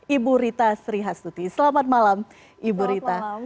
ibu rita srihastuti selamat malam ibu rita